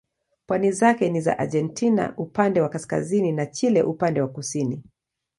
Pwani zake ni za Argentina upande wa kaskazini na Chile upande wa kusini.